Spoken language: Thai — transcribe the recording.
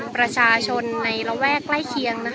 ประชาชนในระแวกใกล้เคียง